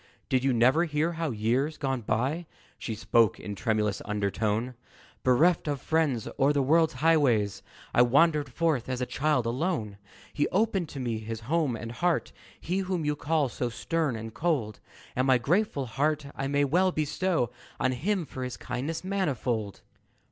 "Did you never hear how, years gone by," She spoke in a tremulous undertone "Bereft of friends, o'er the world's highways, I wandered forth as a child alone? "He opened to me his home and heart He whom you call so stern and cold And my grateful heart I may well bestow On him for his kindness manifold."